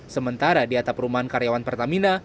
sementara di atap rumah karyawan pertamina